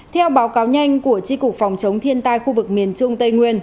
theo báo cáo nhanh của tri cục phòng chống thiên tai khu vực miền trung tây nguyên